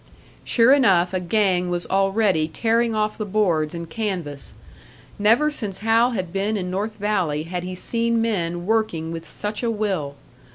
Sure enough, a gang was already tearing off the boards and canvas. Never since Hal had been in North Valley had he seen men working with such a will!